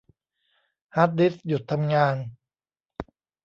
ฮาร์ดดิสก์หยุดทำงาน